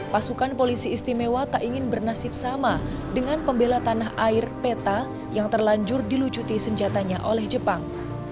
pasukan polisi istimewa tak ingin bernasib sama dengan pembela tanah air peta yang terlanjur dilucuti senjatanya oleh jepang